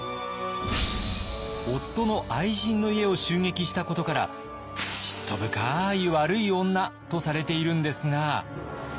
夫の愛人の家を襲撃したことから「嫉妬深い悪い女」とされているんですが。